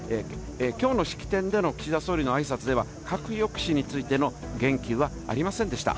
きょうの式典での岸田総理のあいさつでは、核抑止についての言及はありませんでした。